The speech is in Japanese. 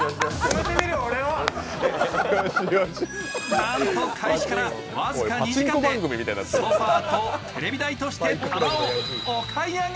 なんと開始から僅か２時間でソファーとテレビ台として棚をお買い上げ。